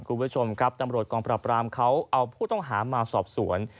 คุณผู้ชมครับตำรวจกองปราบรามเขาเอาผู้ต้องหามาสอบสวน